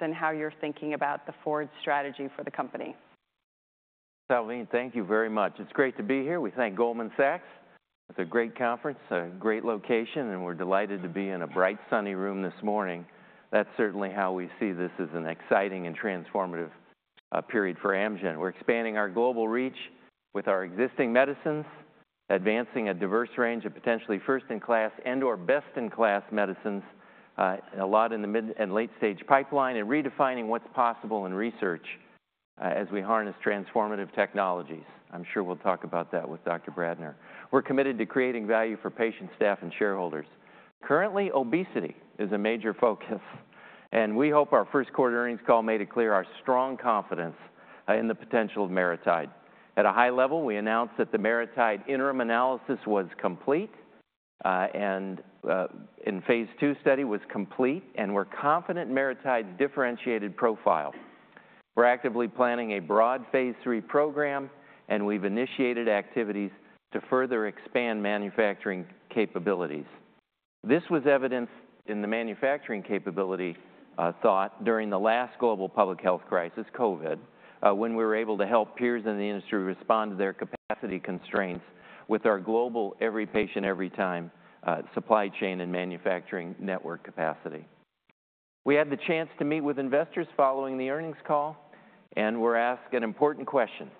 and how you're thinking about the forward strategy for the company. Salveen, thank you very much. It's great to be here. We thank Goldman Sachs. It's a great conference, a great location, and we're delighted to be in a bright, sunny room this morning. That's certainly how we see this as an exciting and transformative period for Amgen. We're expanding our global reach with our existing medicines, advancing a diverse range of potentially first-in-class and/or best-in-class medicines, a lot in the mid and late-stage pipeline, and redefining what's possible in research, as we harness transformative technologies. I'm sure we'll talk about that with Dr. Bradner. We're committed to creating value for patients, staff, and shareholders. Currently, obesity is a major focus, and we hope our first quarter earnings call made it clear our strong confidence in the potential of MariTide. At a high level, we announced that the MariTide interim analysis was complete, and the Phase II study was complete, and we're confident MariTide's differentiated profile. We're actively planning a broad Phase III program, and we've initiated activities to further expand manufacturing capabilities. This was evidenced in the manufacturing capability thought during the last global public health crisis, COVID, when we were able to help peers in the industry respond to their capacity constraints with our global every patient, every time supply chain and manufacturing network capacity. We had the chance to meet with investors following the earnings call and were asked an important question: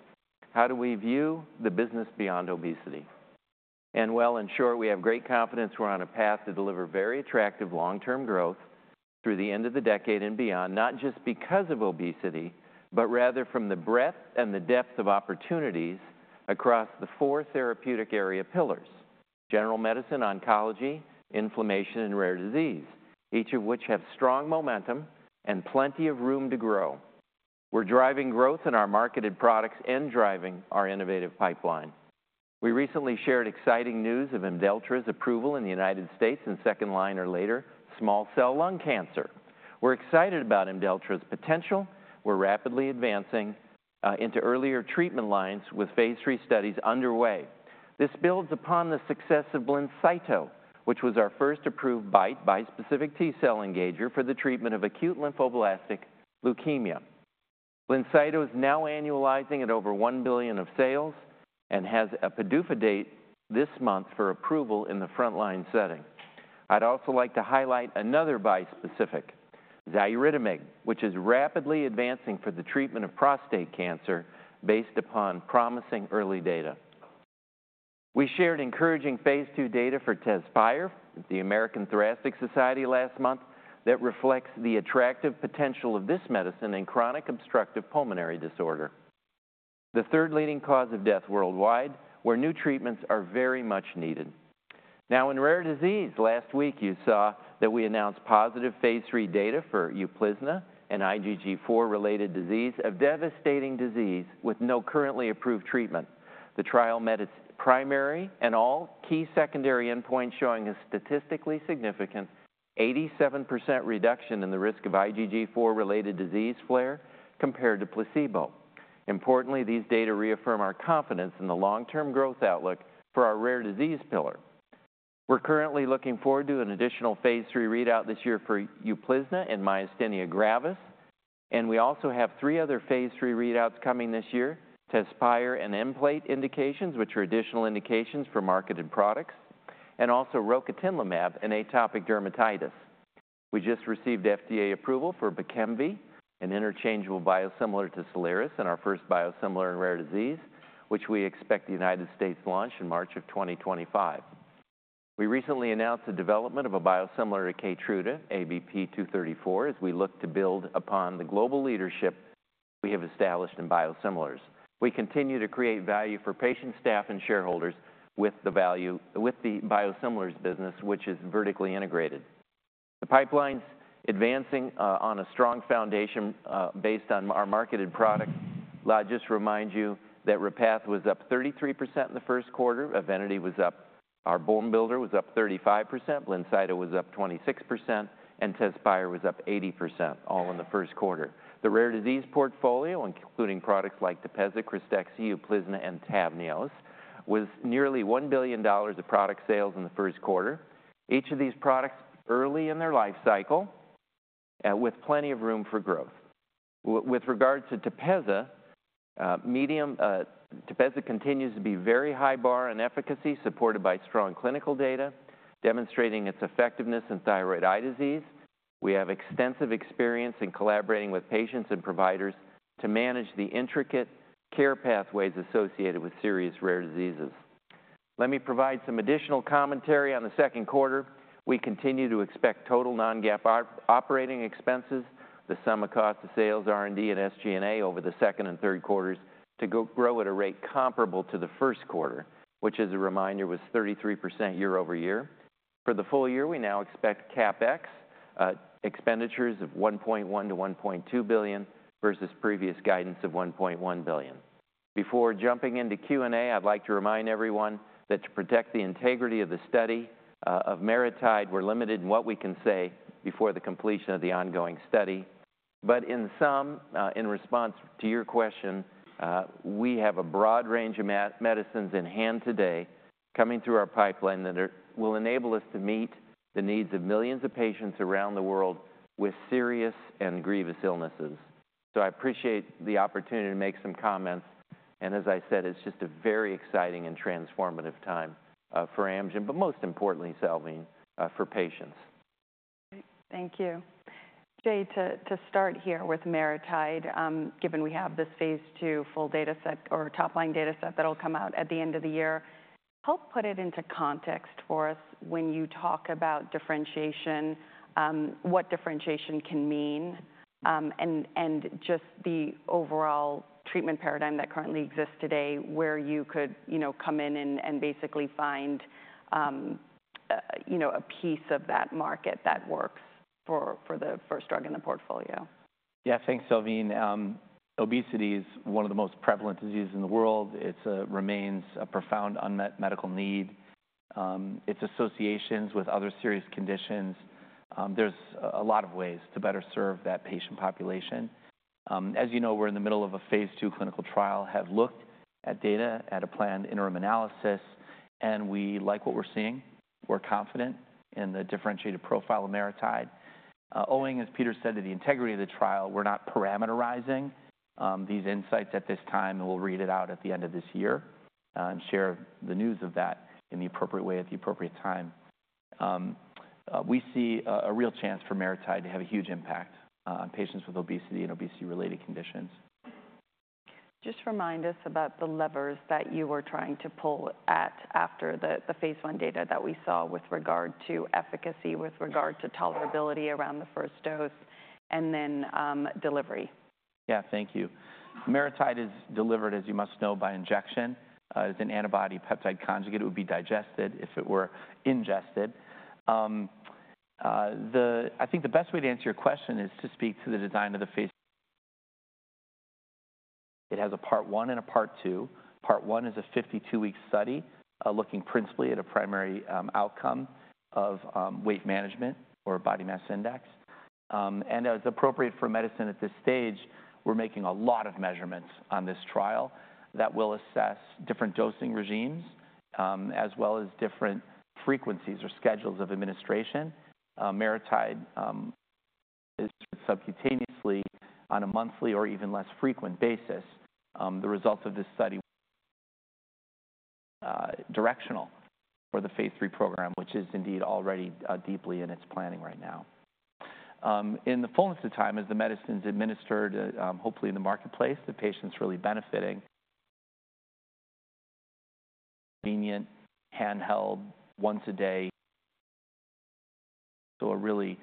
How do we view the business beyond obesity? Well, in short, we have great confidence we're on a path to deliver very attractive long-term growth through the end of the decade and beyond, not just because of obesity, but rather from the breadth and the depth of opportunities across the four therapeutic area pillars: general medicine, oncology, inflammation, and rare disease, each of which have strong momentum and plenty of room to grow. We're driving growth in our marketed products and driving our innovative pipeline. We recently shared exciting news of IMDELLTRA's approval in the United States in second line or later small cell lung cancer. We're excited about IMDELLTRA's potential. We're rapidly advancing into earlier treatment lines with Phase III studies underway. This builds upon the success of BLINCYTO, which was our first approved BiTE, bispecific T-cell engager, for the treatment of acute lymphoblastic leukemia. BLINCYTO is now annualizing at over $1 billion of sales and has a PDUFA date this month for approval in the frontline setting. I'd also like to highlight another bispecific, xaluritamig, which is rapidly advancing for the treatment of prostate cancer based upon promising early data. We shared encouraging Phase II data for TEZSPIRE, at the American Thoracic Society last month, that reflects the attractive potential of this medicine in chronic obstructive pulmonary disease, the third leading cause of death worldwide, where new treatments are very much needed. Now, in rare disease, last week you saw that we announced positive Phase III data for UPLIZNA, an IgG4-related disease, a devastating disease with no currently approved treatment. The trial met its primary and all key secondary endpoints, showing a statistically significant 87% reduction in the risk of IgG4-related disease flare compared to placebo. Importantly, these data reaffirm our confidence in the long-term growth outlook for our rare disease pillar. We're currently looking forward to an additional Phase III readout this year for UPLIZNA and myasthenia gravis, and we also have three other Phase III readouts coming this year, TEZSPIRE and Nplate indications, which are additional indications for marketed products, and also rocatinlimab in atopic dermatitis. We just received FDA approval for BEKEMV, an interchangeable biosimilar to Soliris and our first biosimilar in rare disease, which we expect the United States launch in March 2025. We recently announced the development of a biosimilar to Keytruda, ABP 234, as we look to build upon the global leadership we have established in biosimilars. We continue to create value for patients, staff, and shareholders with the biosimilars business, which is vertically integrated. The pipeline's advancing on a strong foundation based on our marketed product. I'll just remind you that Repatha was up 33% in the first quarter. EVENITY was up... Our bone builder was up 35%, BLINCYTO was up 26%, and TEZSPIRE was up 80%, all in the first quarter. The rare disease portfolio, including products like TEPEZZA, CRYSVITA, UPLIZNA, and TAVNEOS, was nearly $1 billion of product sales in the first quarter. Each of these products early in their life cycle with plenty of room for growth. With regard to TEPEZZA, TEPEZZA continues to be very high bar in efficacy, supported by strong clinical data, demonstrating its effectiveness in thyroid eye disease. We have extensive experience in collaborating with patients and providers to manage the intricate care pathways associated with serious rare diseases. Let me provide some additional commentary on the second quarter. We continue to expect total non-GAAP operating expenses, the sum of cost of sales, R&D, and SG&A over the second and third quarters, to grow at a rate comparable to the first quarter, which, as a reminder, was 33% year-over-year. For the full year, we now expect CapEx expenditures of $1.1 billion-$1.2 billion versus previous guidance of $1.1 billion. Before jumping into Q&A, I'd like to remind everyone that to protect the integrity of the study of MariTide, we're limited in what we can say before the completion of the ongoing study. But in sum, in response to your question, we have a broad range of medicines in hand today coming through our pipeline that will enable us to meet the needs of millions of patients around the world with serious and grievous illnesses.... So I appreciate the opportunity to make some comments, and as I said, it's just a very exciting and transformative time, for Amgen, but most importantly, Salveen, for patients. Thank you. Jay, to start here with MariTide, given we have this Phase II full data set or top line data set that'll come out at the end of the year, help put it into context for us when you talk about differentiation, what differentiation can mean, and just the overall treatment paradigm that currently exists today, where you could, you know, come in and basically find, you know, a piece of that market that works for the first drug in the portfolio. Yeah, thanks, Salveen. Obesity is one of the most prevalent diseases in the world. It remains a profound unmet medical need. Its associations with other serious conditions, there's a lot of ways to better serve that patient population. As you know, we're in the middle of a Phase II clinical trial, have looked at data at a planned interim analysis, and we like what we're seeing. We're confident in the differentiated profile of MariTide. Owing, as Peter said, to the integrity of the trial, we're not parameterizing these insights at this time, and we'll read it out at the end of this year, and share the news of that in the appropriate way, at the appropriate time. We see a real chance for MariTide to have a huge impact on patients with obesity and obesity-related conditions. Just remind us about the levers that you were trying to pull after the Phase I data that we saw with regard to efficacy, with regard to tolerability around the first dose, and then delivery. Yeah, thank you. MariTide is delivered, as you must know, by injection. As an antibody-peptide conjugate, it would be digested if it were ingested. I think the best way to answer your question is to speak to the design of the phase. It has a part one and a part two. Part one is a 52-week study, looking principally at a primary outcome of weight management or body mass index. And as appropriate for medicine at this stage, we're making a lot of measurements on this trial that will assess different dosing regimens, as well as different frequencies or schedules of administration. MariTide is subcutaneously on a monthly or even less frequent basis. The results of this study, directional for the Phase III program, which is indeed already deeply in its planning right now. In the fullness of time, as the medicine's administered, hopefully in the marketplace, the patient's really benefiting. Convenient, handheld, once a day, so a really,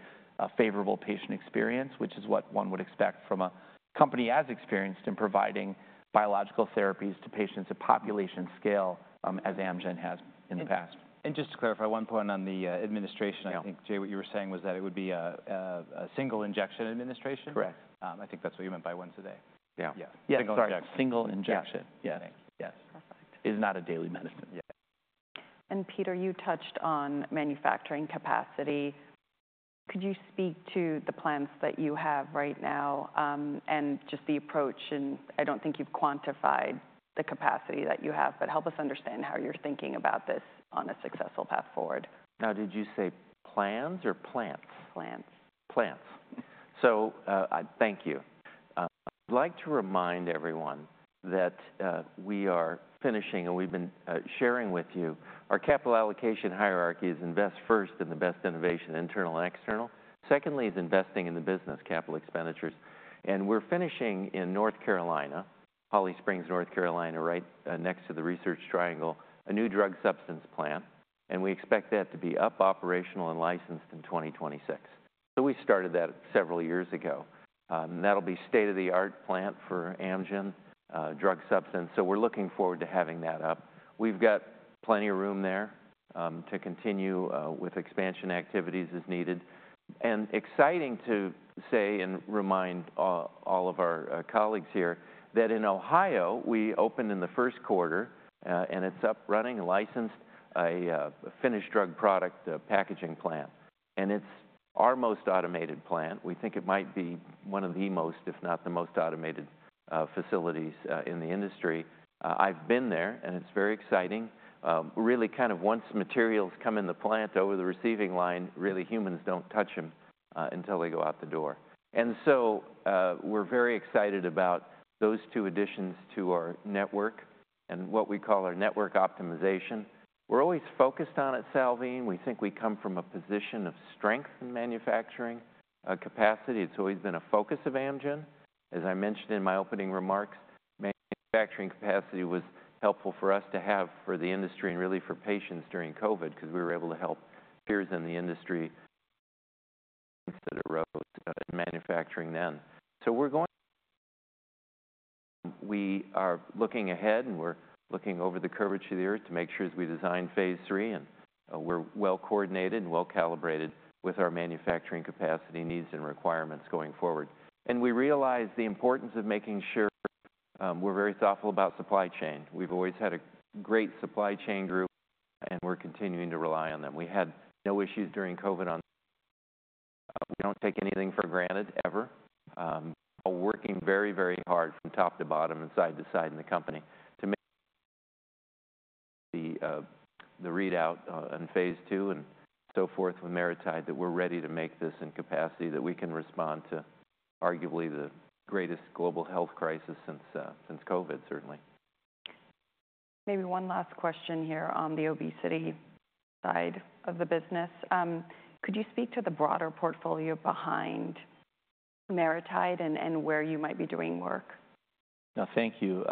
favorable patient experience, which is what one would expect from a company as experienced in providing biological therapies to patients at population scale, as Amgen has in the past. Just to clarify one point on the administration- Yeah. I think, Jay, what you were saying was that it would be a single injection administration? Correct. I think that's what you meant by once a day. Yeah. Yeah. Yeah. Single injection. Single injection. Yeah. Yes. Perfect. It is not a daily medicine. And Peter, you touched on manufacturing capacity. Could you speak to the plans that you have right now, and just the approach, and I don't think you've quantified the capacity that you have, but help us understand how you're thinking about this on a successful path forward? Now, did you say plans or plants? Plants. Plants. So, I thank you. I'd like to remind everyone that we are finishing and we've been sharing with you our capital allocation hierarchy is invest first in the best innovation, internal and external. Secondly, is investing in the business capital expenditures, and we're finishing in North Carolina, Holly Springs, North Carolina, right, next to the Research Triangle, a new drug substance plant, and we expect that to be up, operational, and licensed in 2026. So we started that several years ago, and that'll be state-of-the-art plant for Amgen, drug substance. So we're looking forward to having that up. We've got plenty of room there, to continue with expansion activities as needed. Exciting to say and remind all of our colleagues here that in Ohio, we opened in the first quarter, and it's up, running, licensed, a finished drug product packaging plant, and it's our most automated plant. We think it might be one of the most, if not the most automated, facilities in the industry. I've been there, and it's very exciting. Really, kind of once materials come in the plant over the receiving line, really, humans don't touch them until they go out the door. And so, we're very excited about those two additions to our network and what we call our network optimization. We're always focused on it, Salveen. We think we come from a position of strength in manufacturing capacity. It's always been a focus of Amgen. As I mentioned in my opening remarks, manufacturing capacity was helpful for us to have for the industry and really for patients during COVID, because we were able to help peers in the industry that were short in manufacturing then. We are looking ahead, and we're looking over the curvature of the earth to make sure as we design Phase III, and we're well coordinated and well calibrated with our manufacturing capacity needs and requirements going forward. And we realize the importance of making sure we're very thoughtful about supply chain. We've always had a great supply chain group, and we're continuing to rely on them. We had no issues during COVID. We don't take anything for granted, ever. We're working very, very hard from top to bottom and side to side in the company to make-... the readout on Phase II and so forth with MariTide, that we're ready to make this in capacity that we can respond to arguably the greatest global health crisis since COVID, certainly. Maybe one last question here on the obesity side of the business. Could you speak to the broader portfolio behind MariTide and where you might be doing work? Now, thank you.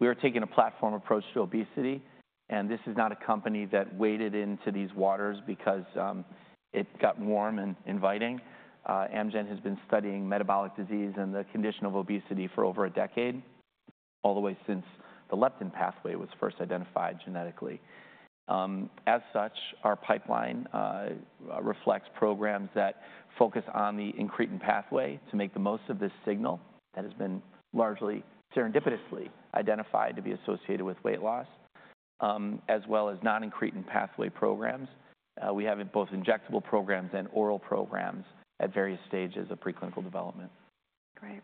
We are taking a platform approach to obesity, and this is not a company that waded into these waters because, it got warm and inviting. Amgen has been studying metabolic disease and the condition of obesity for over a decade, all the way since the leptin pathway was first identified genetically. As such, our pipeline, reflects programs that focus on the incretin pathway to make the most of this signal that has been largely serendipitously identified to be associated with weight loss, as well as non-incretin pathway programs. We have both injectable programs and oral programs at various stages of preclinical development. Great.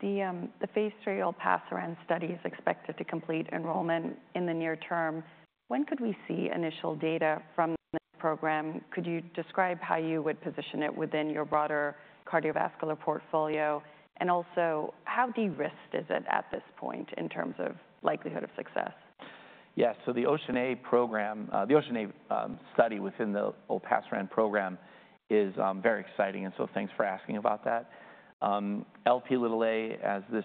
The Phase III olpasiran study is expected to complete enrollment in the near term. When could we see initial data from the program? Could you describe how you would position it within your broader cardiovascular portfolio? And also, how de-risked is it at this point in terms of likelihood of success? Yeah, so the OCEAN(a) program... the OCEAN(a) study within the olpasiran program is very exciting, and so thanks for asking about that. Lp(a), as this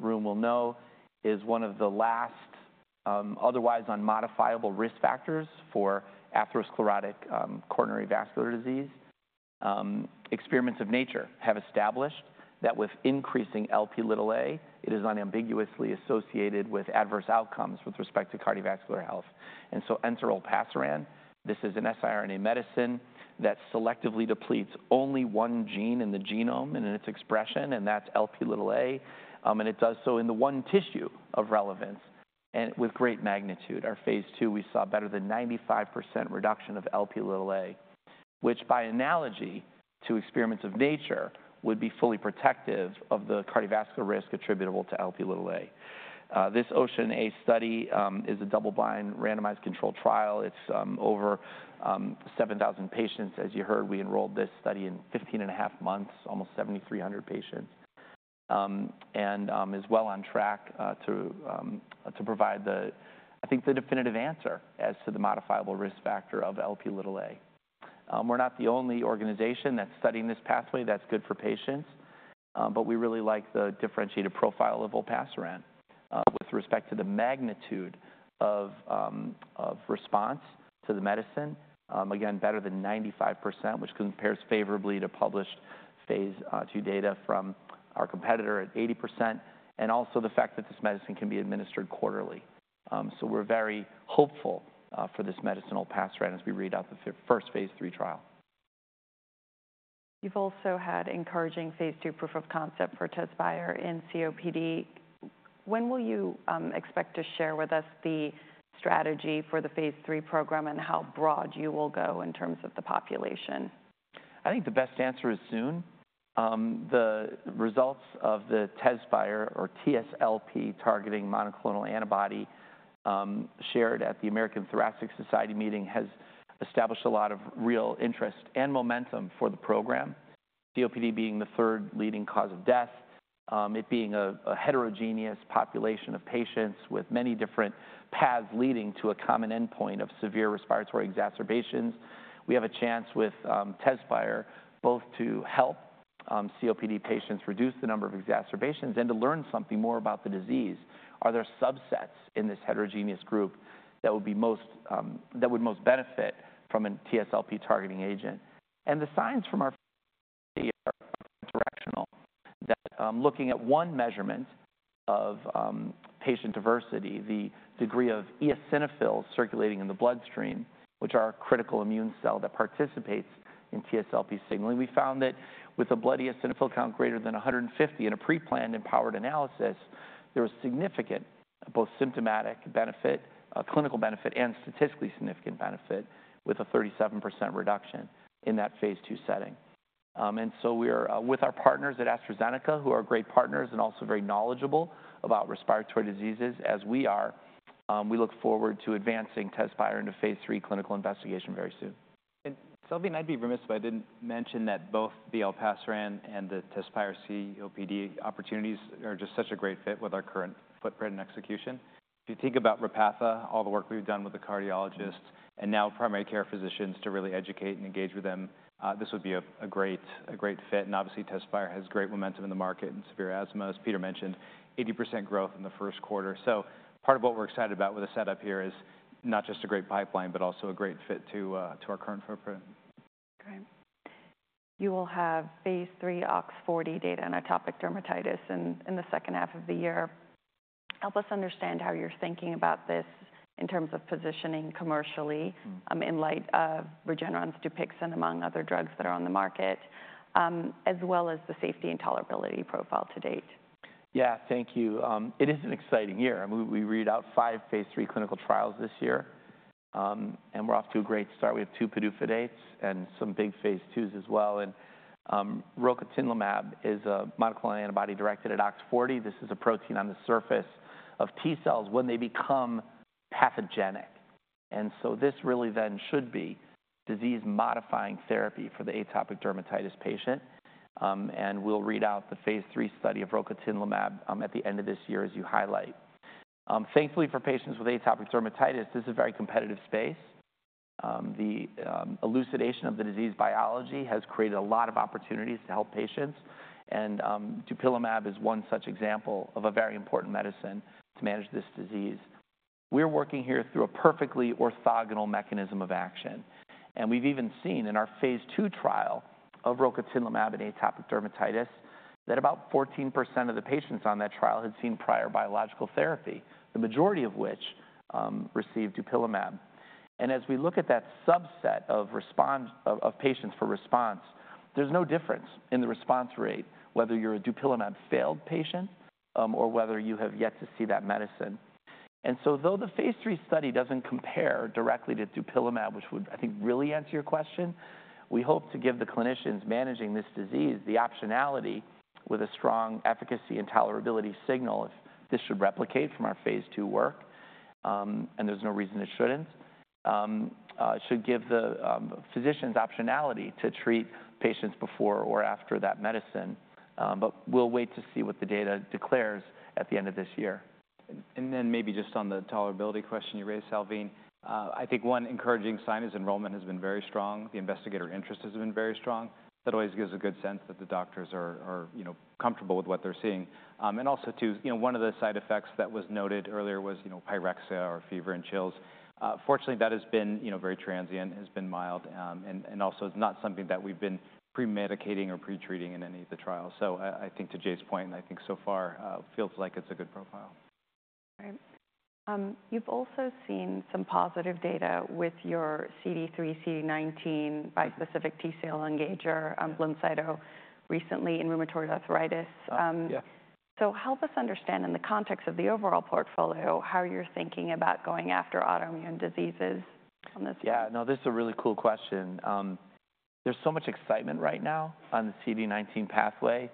room will know, is one of the last otherwise unmodifiable risk factors for atherosclerotic coronary vascular disease. Experiments of nature have established that with increasing Lp(a), it is unambiguously associated with adverse outcomes with respect to cardiovascular health. And so olpasiran, this is an siRNA medicine that selectively depletes only one gene in the genome and in its expression, and that's Lp(a), and it does so in the one tissue of relevance, and with great magnitude. Our Phase II, we saw better than 95% reduction of Lp(a), which, by analogy to experiments of nature, would be fully protective of the cardiovascular risk attributable to Lp(a). This OCEAN(a) study is a double-blind, randomized controlled trial. It's over 7,000 patients. As you heard, we enrolled this study in 15.5 months, almost 7,300 patients. Is well on track to provide, I think, the definitive answer as to the modifiable risk factor of Lp(a). We're not the only organization that's studying this pathway. That's good for patients, but we really like the differentiated profile of olpasiran with respect to the magnitude of response to the medicine. Again, better than 95%, which compares favorably to published Phase II data from our competitor at 80%, and also the fact that this medicine can be administered quarterly. So we're very hopeful for this medicine Olpasiran as we read out the first Phase III trial. You've also had encouraging Phase II proof of concept for TEZSPIRE in COPD. When will you expect to share with us the strategy for the Phase III program and how broad you will go in terms of the population? I think the best answer is soon. The results of the TEZSPIRE or TSLP-targeting monoclonal antibody, shared at the American Thoracic Society meeting, has established a lot of real interest and momentum for the program. COPD being the third leading cause of death, it being a heterogeneous population of patients with many different paths leading to a common endpoint of severe respiratory exacerbations. We have a chance with TEZSPIRE both to help COPD patients reduce the number of exacerbations and to learn something more about the disease. Are there subsets in this heterogeneous group that would be most that would most benefit from a TSLP targeting agent? And the signs from our... directional, that looking at one measurement of patient diversity, the degree of eosinophils circulating in the bloodstream, which are a critical immune cell that participates in TSLP signaling, we found that with a blood eosinophil count greater than 150 in a pre-planned and powered analysis, there was significant both symptomatic benefit, a clinical benefit, and statistically significant benefit, with a 37% reduction in that Phase II setting. And so we are with our partners at AstraZeneca, who are great partners and also very knowledgeable about respiratory diseases, as we are, we look forward to advancing TEZSPIRE into Phase III clinical investigation very soon. Sylvie, I'd be remiss if I didn't mention that both the Olpasiran and the TEZSPIRE COPD opportunities are just such a great fit with our current footprint and execution. If you think about Repatha, all the work we've done with the cardiologists- Mm-hmm ... and now primary care physicians to really educate and engage with them, this would be a great fit. And obviously, TEZSPIRE has great momentum in the market, in severe asthma, as Peter mentioned, 80% growth in the first quarter. So part of what we're excited about with the setup here is not just a great pipeline, but also a great fit to our current footprint. Okay. You will have Phase III OX40 data in atopic dermatitis in the second half of the year. Help us understand how you're thinking about this in terms of positioning commercially? Mm... in light of Regeneron's Dupixent, among other drugs that are on the market, as well as the safety and tolerability profile to date. Yeah. Thank you. It is an exciting year. I mean, we, we read out five Phase III clinical trials this year. We're off to a great start. We have two PDUFA dates and some big Phase IIs as well. Rocatinlimab is a monoclonal antibody directed at OX40. This is a protein on the surface of T cells when they become pathogenic, and so this really then should be disease-modifying therapy for the atopic dermatitis patient. We'll read out the phase three study of rocatinlimab at the end of this year, as you highlight. Thankfully for patients with atopic dermatitis, this is a very competitive space. The elucidation of the disease biology has created a lot of opportunities to help patients, and dupilumab is one such example of a very important medicine to manage this disease. We're working here through a perfectly orthogonal mechanism of action, and we've even seen in our phase two trial of rocatinlimab in atopic dermatitis, that about 14% of the patients on that trial had seen prior biological therapy, the majority of which received dupilumab. And as we look at that subset of response of patients for response, there's no difference in the response rate, whether you're a dupilumab failed patient or whether you have yet to see that medicine. And so though the phase three study doesn't compare directly to dupilumab, which would, I think, really answer your question, we hope to give the clinicians managing this disease the optionality with a strong efficacy and tolerability signal if this should replicate from our phase two work. And there's no reason it shouldn't. should give the physicians optionality to treat patients before or after that medicine, but we'll wait to see what the data declares at the end of this year. Then maybe just on the tolerability question you raised, Salveen, I think one encouraging sign is enrollment has been very strong. The investigator interest has been very strong. That always gives a good sense that the doctors are, you know, comfortable with what they're seeing. And also too, you know, one of the side effects that was noted earlier was, you know, pyrexia or fever and chills. Fortunately, that has been, you know, very transient, has been mild, and also is not something that we've been pre-medicating or pre-treating in any of the trials. So I think to Jay's point, and I think so far feels like it's a good profile. All right. You've also seen some positive data with your CD3/CD19 bispecific T-cell engager, BLINCYTO, recently in rheumatoid arthritis. Yeah. Help us understand in the context of the overall portfolio, how you're thinking about going after autoimmune diseases on this? Yeah, no, this is a really cool question. There's so much excitement right now on the CD19 pathway.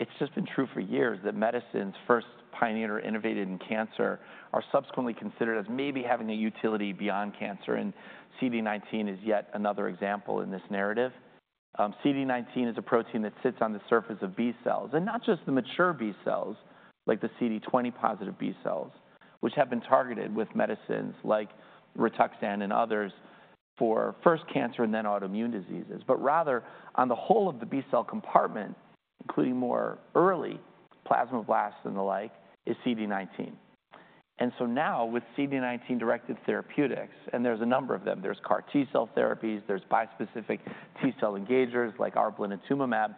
It's just been true for years that medicines first pioneered or innovated in cancer are subsequently considered as maybe having a utility beyond cancer, and CD19 is yet another example in this narrative. CD19 is a protein that sits on the surface of B cells, and not just the mature B cells, like the CD20 positive B cells, which have been targeted with medicines like Rituxan and others for first cancer and then autoimmune diseases, but rather, on the whole of the B-cell compartment, including more early plasmoblasts and the like, is CD19. And so now with CD19-directed therapeutics, and there's a number of them, there's CAR T-cell therapies, there's bispecific T-cell engagers, like our blinatumomab,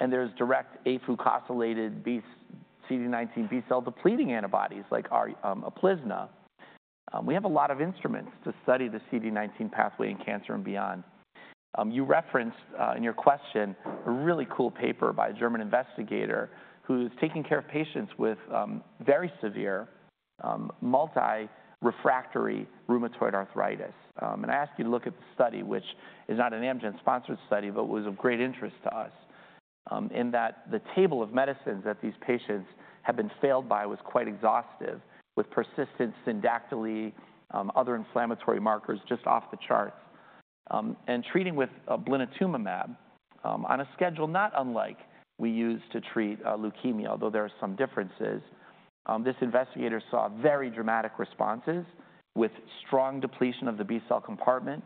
and there's direct afucosylated CD19 B-cell depleting antibodies, like our UPLIZNA. We have a lot of instruments to study the CD19 pathway in cancer and beyond. You referenced, in your question, a really cool paper by a German investigator who's taking care of patients with very severe multirefractory rheumatoid arthritis. I ask you to look at the study, which is not an Amgen-sponsored study, but was of great interest to us, in that the table of medicines that these patients had been failed by was quite exhaustive, with persistent synovitis, other inflammatory markers just off the charts. And treating with blinatumomab on a schedule not unlike we use to treat leukemia, although there are some differences, this investigator saw very dramatic responses with strong depletion of the B-cell compartment,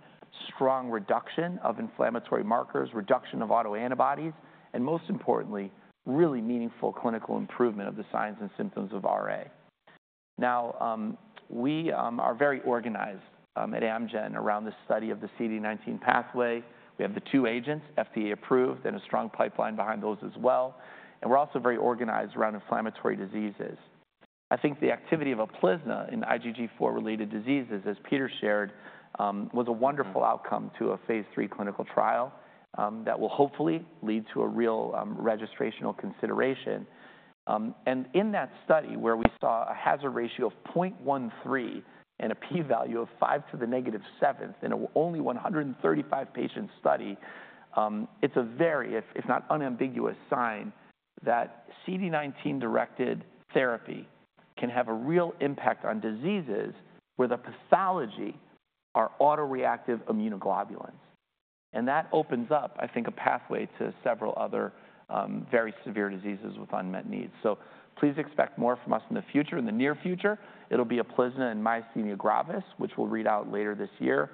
strong reduction of inflammatory markers, reduction of autoantibodies, and most importantly, really meaningful clinical improvement of the signs and symptoms of RA. Now, we are very organized at Amgen around the study of the CD19 pathway. We have the two agents, FDA approved, and a strong pipeline behind those as well, and we're also very organized around inflammatory diseases. I think the activity of UPLIZNA in IgG4-related diseases, as Peter shared, was a wonderful- Mm-hmm... outcome to a phase III clinical trial that will hopefully lead to a real registrational consideration. And in that study where we saw a hazard ratio of 0.13 and a p-value of 5 × 10^{-7} in only a 135-patient study, it's a very, if not unambiguous sign, that CD19-directed therapy can have a real impact on diseases where the pathology are autoreactive immunoglobulins. And that opens up, I think, a pathway to several other very severe diseases with unmet needs. So please expect more from us in the future. In the near future, it'll be UPLIZNA and myasthenia gravis, which we'll read out later this year.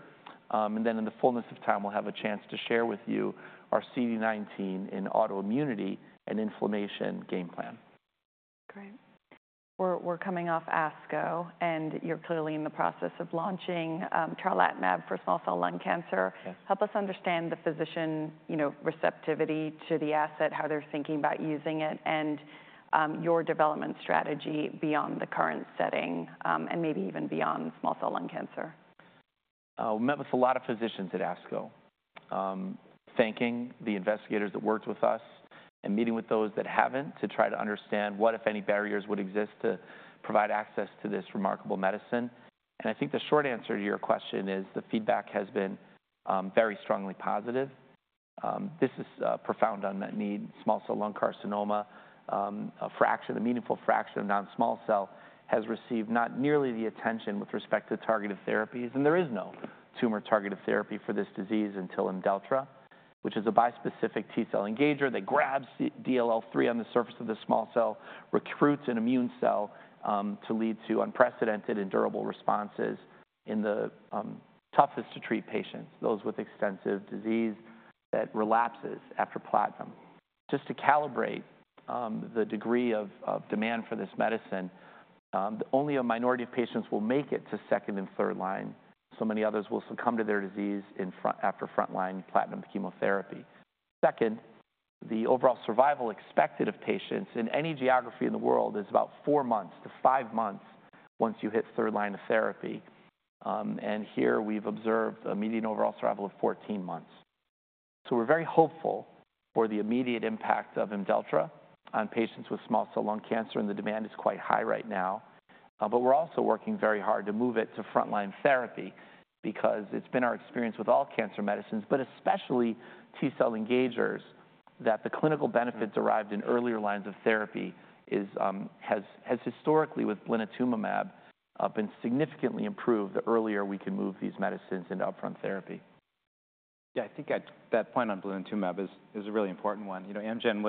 And then in the fullness of time, we'll have a chance to share with you our CD19 in autoimmunity and inflammation game plan. Great. We're coming off ASCO, and you're clearly in the process of launching tarlatamab for small cell lung cancer. Yes. Help us understand the physician, you know, receptivity to the asset, how they're thinking about using it, and your development strategy beyond the current setting, and maybe even beyond small cell lung cancer.... We met with a lot of physicians at ASCO, thanking the investigators that worked with us and meeting with those that haven't, to try to understand what, if any, barriers would exist to provide access to this remarkable medicine. And I think the short answer to your question is, the feedback has been very strongly positive. This is profound unmet need, small cell lung carcinoma. A fraction, a meaningful fraction of non-small cell has received not nearly the attention with respect to targeted therapies, and there is no tumor-targeted therapy for this disease until IMDELLTRA, which is a bispecific T cell engager that grabs the DLL3 on the surface of the small cell, recruits an immune cell to lead to unprecedented and durable responses in the toughest-to-treat patients, those with extensive disease that relapses after platinum. Just to calibrate, the degree of demand for this medicine, only a minority of patients will make it to second and third line. So many others will succumb to their disease after frontline platinum chemotherapy. Second, the overall survival expected of patients in any geography in the world is about four months to five months once you hit third line of therapy. And here we've observed a median overall survival of 14 months. So we're very hopeful for the immediate impact of IMDELLTRA on patients with small cell lung cancer, and the demand is quite high right now. But we're also working very hard to move it to frontline therapy because it's been our experience with all cancer medicines, but especially T cell engagers, that the clinical benefits- Mm-hmm -derived in earlier lines of therapy is, has historically, with blinatumomab, been significantly improved the earlier we can move these medicines into upfront therapy. Yeah, I think at that point on blinatumomab is a really important one. You know, Amgen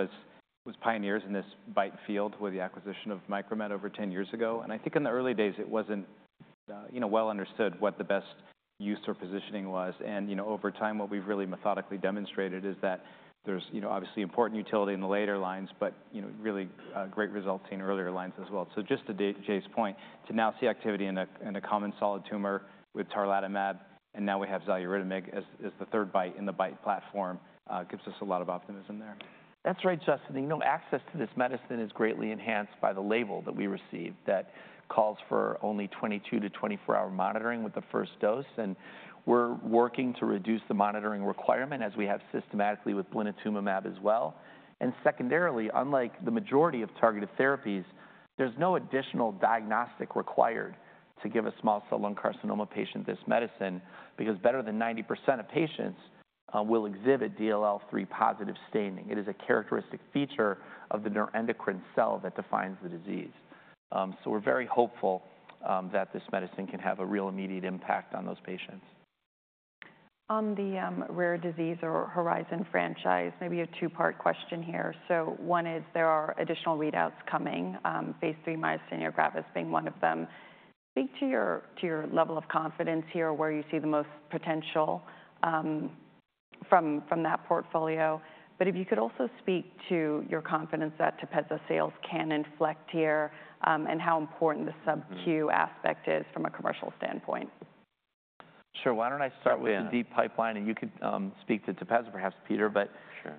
was pioneers in this BiTE field with the acquisition of Micromet over 10 years ago, and I think in the early days, it wasn't, you know, well understood what the best use or positioning was. And, you know, over time, what we've really methodically demonstrated is that there's, you know, obviously important utility in the later lines, but, you know, really great results in earlier lines as well. So just to Jay's point, to now see activity in a common solid tumor with tarlatamab, and now we have xaluritamig as the third BiTE in the BiTE platform, gives us a lot of optimism there. That's right, Justin. You know, access to this medicine is greatly enhanced by the label that we received that calls for only 22- to 24-hour monitoring with the first dose, and we're working to reduce the monitoring requirement as we have systematically with blinatumomab as well. Secondarily, unlike the majority of targeted therapies, there's no additional diagnostic required to give a small cell lung carcinoma patient this medicine, because better than 90% of patients will exhibit DLL3 positive staining. It is a characteristic feature of the neuroendocrine cell that defines the disease. So we're very hopeful that this medicine can have a real immediate impact on those patients. On the rare disease or Horizon franchise, maybe a two-part question here. So one is, there are additional readouts coming, Phase III myasthenia gravis being one of them. Speak to your, to your level of confidence here, where you see the most potential, from, from that portfolio. But if you could also speak to your confidence that Tepezza sales can inflect here, and how important the sub-Q- Mm-hmm aspect is from a commercial standpoint. Sure. Why don't I start with- Yeah... the deep pipeline, and you could speak to TEPEZZA, perhaps, Peter, but- Sure.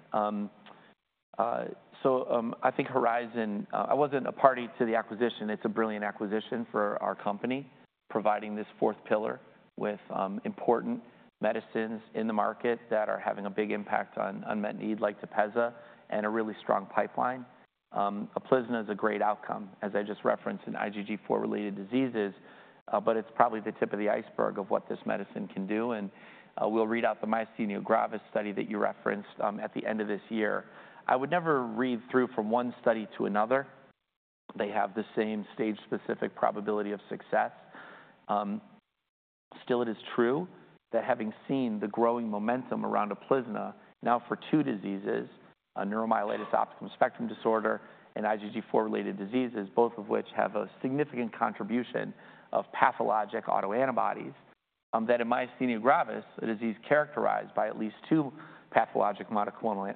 I think Horizon, I wasn't a party to the acquisition. It's a brilliant acquisition for our company, providing this fourth pillar with important medicines in the market that are having a big impact on unmet need, like TEPEZZA, and a really strong pipeline. UPLIZNA is a great outcome, as I just referenced in IgG4-related diseases, but it's probably the tip of the iceberg of what this medicine can do, and we'll read out the myasthenia gravis study that you referenced at the end of this year. I would never read through from one study to another. They have the same stage-specific probability of success. Still, it is true that having seen the growing momentum around UPLIZNA now for two diseases, a neuromyelitis optica spectrum disorder and IgG4-related disease, both of which have a significant contribution of pathologic autoantibodies, that in myasthenia gravis, a disease characterized by at least two pathologic polyclonal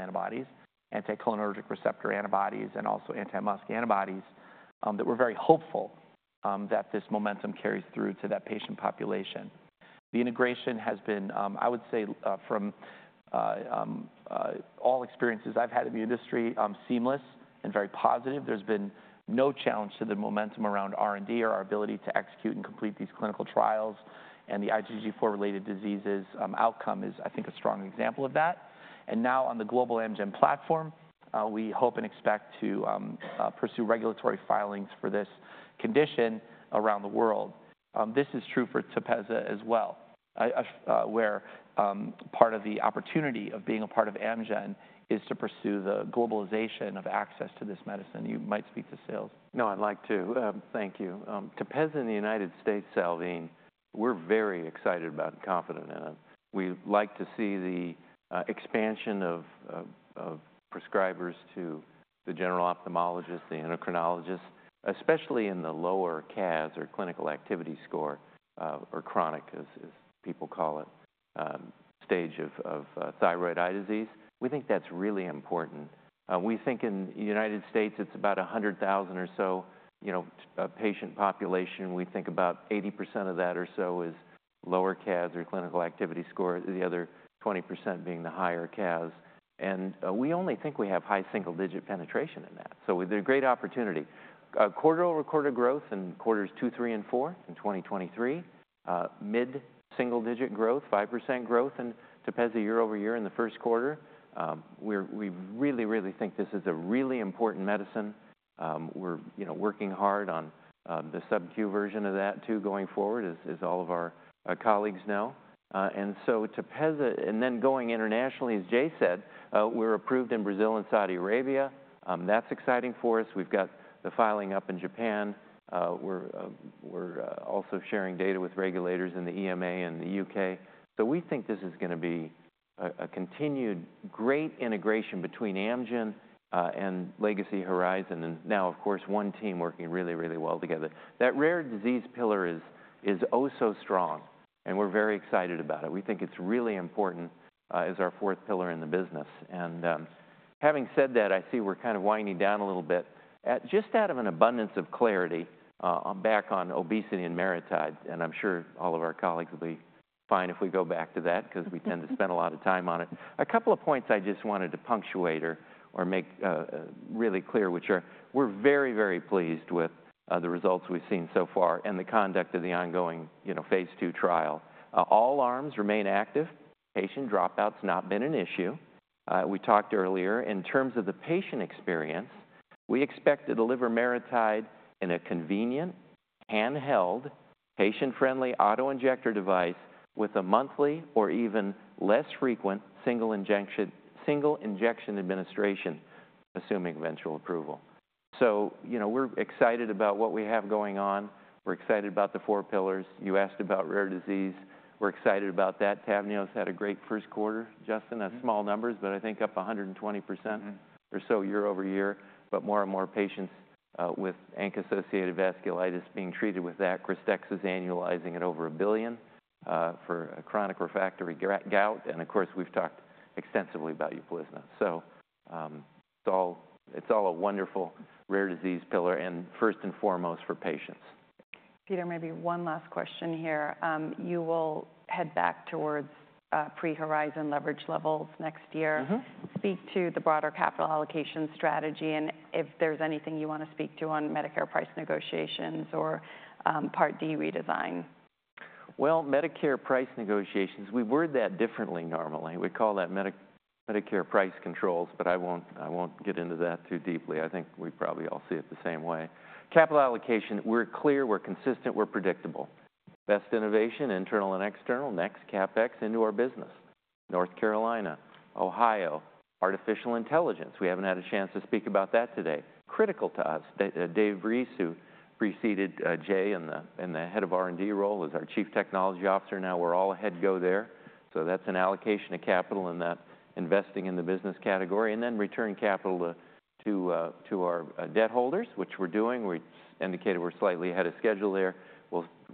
antibodies, acetylcholine receptor antibodies, and also anti-MuSK antibodies, that we're very hopeful that this momentum carries through to that patient population. The integration has been, I would say, from all experiences I've had in the industry, seamless and very positive. There's been no challenge to the momentum around R&D or our ability to execute and complete these clinical trials, and the IgG4-related disease outcome is, I think, a strong example of that. And now on the global Amgen platform, we hope and expect to pursue regulatory filings for this condition around the world. This is true for TEPEZZA as well, where part of the opportunity of being a part of Amgen is to pursue the globalization of access to this medicine. You might speak to sales. No, I'd like to. Thank you. TEPEZZA in the United States, Salveen, we're very excited about and confident in it. We'd like to see the expansion of prescribers to the general ophthalmologist, the endocrinologist, especially in the lower CAS, or Clinical Activity Score, or chronic, as people call it, stage of thyroid eye disease. We think that's really important. We think in the United States, it's about 100,000 or so, you know, a patient population. We think about 80% of that or so is-... lower CAS or clinical activity score, the other 20% being the higher CAS. And we only think we have high single-digit penetration in that, so there's a great opportunity. Quarter-over-quarter growth in quarters 2, 3, and 4 in 2023. Mid-single-digit growth, 5% growth in TEPEZZA year-over-year in the first quarter. We really, really think this is a really important medicine. We're, you know, working hard on the subQ version of that, too, going forward, as all of our colleagues know. And so TEPEZZA and then going internationally, as Jay said, we're approved in Brazil and Saudi Arabia. That's exciting for us. We've got the filing up in Japan. We're also sharing data with regulators in the EMA and the UK. So we think this is gonna be a continued great integration between Amgen and legacy Horizon, and now, of course, one team working really, really well together. That rare disease pillar is oh, so strong, and we're very excited about it. We think it's really important as our fourth pillar in the business. And having said that, I see we're kind of winding down a little bit. Just out of an abundance of clarity, on back on obesity and MariTide, and I'm sure all of our colleagues will be fine if we go back to that because we tend to spend a lot of time on it. A couple of points I just wanted to punctuate or make really clear, which are, we're very, very pleased with the results we've seen so far and the conduct of the ongoing, you know, phase II trial. All arms remain active, patient dropout's not been an issue. We talked earlier, in terms of the patient experience, we expect to deliver MariTide in a convenient, handheld, patient-friendly auto-injector device with a monthly or even less frequent single injection-single injection administration, assuming eventual approval. So, you know, we're excited about what we have going on. We're excited about the four pillars. You asked about rare disease. We're excited about that. TAVNEOS had a great first quarter, Justin. Mm-hmm. Small numbers, but I think up 120%- Mm-hmm... or so, year over year, but more and more patients with ANCA-associated vasculitis being treated with that. KRYSTEXXA is annualizing at over $1 billion for a chronic or refractory gout. And of course, we've talked extensively about UPLIZNA. So, it's all, it's all a wonderful rare disease pillar and first and foremost for patients. Peter, maybe one last question here. You will head back towards pre-Horizon leverage levels next year? Mm-hmm. Speak to the broader capital allocation strategy, and if there's anything you want to speak to on Medicare price negotiations or Part D redesign. Well, Medicare price negotiations, we word that differently normally. We call that Medicare price controls, but I won't, I won't get into that too deeply. I think we probably all see it the same way. Capital allocation, we're clear, we're consistent, we're predictable. Best innovation, internal and external. Next, CapEx into our business, North Carolina, Ohio, artificial intelligence. We haven't had a chance to speak about that today. Critical to us, Dave Reese, who preceded Jay in the head of R&D role, is our Chief Technology Officer now. We're all ahead there. So that's an allocation of capital in that investing in the business category, and then returning capital to our debt holders, which we're doing. We indicated we're slightly ahead of schedule there.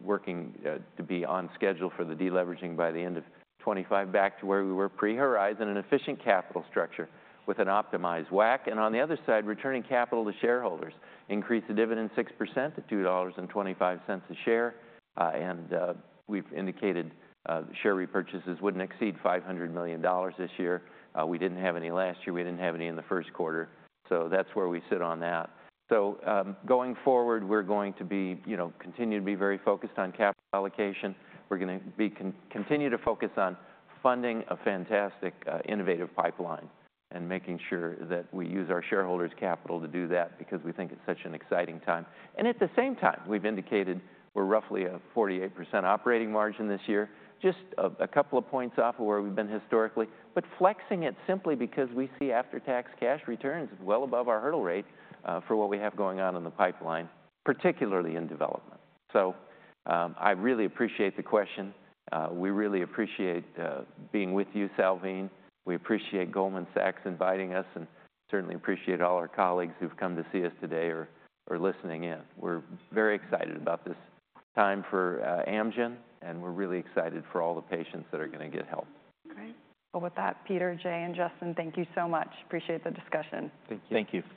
We're working to be on schedule for the deleveraging by the end of 25, back to where we were pre-Horizon, an efficient capital structure with an optimized WACC. And on the other side, returning capital to shareholders. Increase the dividend 6% to $2.25 a share. And we've indicated the share repurchases wouldn't exceed $500 million this year. We didn't have any last year. We didn't have any in the first quarter, so that's where we sit on that. So, going forward, we're going to be, you know, continue to be very focused on capital allocation. We're gonna continue to focus on funding a fantastic innovative pipeline and making sure that we use our shareholders' capital to do that because we think it's such an exciting time. At the same time, we've indicated we're roughly a 48% operating margin this year. Just a couple of points off of where we've been historically, but flexing it simply because we see after-tax cash returns well above our hurdle rate for what we have going on in the pipeline, particularly in development. So, I really appreciate the question. We really appreciate being with you, Salveen. We appreciate Goldman Sachs inviting us, and certainly appreciate all our colleagues who've come to see us today or listening in. We're very excited about this time for Amgen, and we're really excited for all the patients that are gonna get help. Great. Well, with that, Peter, Jay, and Justin, thank you so much. Appreciate the discussion. Thank you. Thank you.